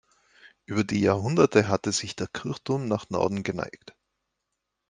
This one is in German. Über die Jahrhunderte hatte sich der Kirchturm nach Norden geneigt.